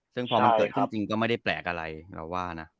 ซึ่งพอมันเกิดขึ้นจริงก็ไม่ได้แปลกอะไรเราว่านะ